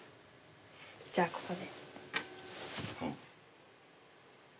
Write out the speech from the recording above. じゃあここで。